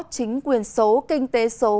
chính quyền số kinh tế số